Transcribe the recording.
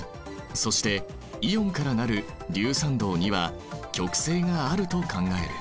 そしてイオンから成る硫酸銅は極性があると考える。